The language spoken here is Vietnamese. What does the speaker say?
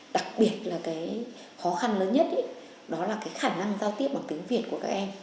đặc biệt là cái khó khăn lớn nhất đó là cái khả năng giao tiếp bằng tiếng việt của các em